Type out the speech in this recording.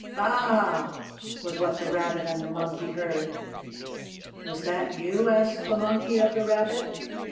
"Baa a a a !" was what the Rabbit and the Monkey heard. "Was that you?" asked the Monkey of the Rabbit.